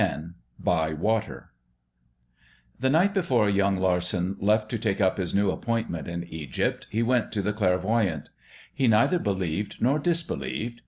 X BY WATER The night before young Larsen left to take up his new appointment in Egypt he went to the clairvoyante. He neither believed nor disbelieved.